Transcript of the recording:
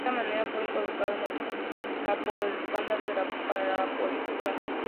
De esta manera fue involucrado en la por el escándalo de la parapolítica.